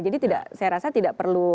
jadi saya rasa tidak perlu